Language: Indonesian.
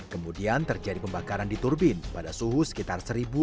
kemudian terjadi pembakaran di turbin pada suhu sekitar seribu empat ratus derajat celcius